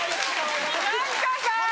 何かさ。